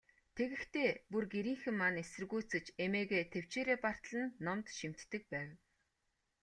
Тэгэхдээ, бүр гэрийнхэн маань эсэргүүцэж, эмээгээ тэвчээрээ бартал нь номд шимтдэг байв.